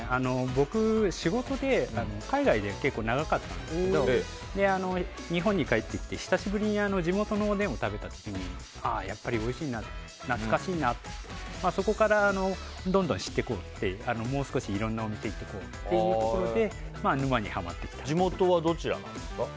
僕、仕事で海外が結構長かったんですけど日本に帰ってきて久しぶりに地元のおでんを食べた時にやっぱりおいしいな懐かしいなと。そこからどんどん知っていこうといろんなお店に行ってというので地元はどちらなんですか？